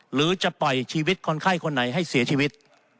หรือจะปล่อยชีวิตคนไข้คนไหนให้เสียชีวิต